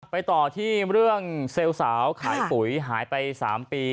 ไปต่อที่เรื่องเซลล์สาวขายปุ๋ยหายไป๓ปี